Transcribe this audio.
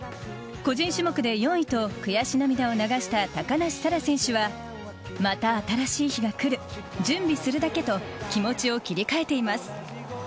個人種目で４位と悔し涙を流した高梨沙羅選手は、また新しい日が来る、準備するだけと、気持ちを切り替えています。